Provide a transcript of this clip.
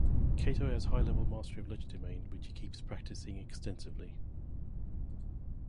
Kaito has high level mastery of legerdemain which he keeps practicing extensively.